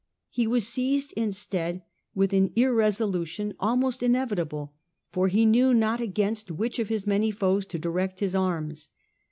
He was seized, instead, with an irreso lution almost inevitable, for he knew not against which of his many foes to direct his arms.